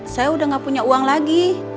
saya udah gak punya uang lagi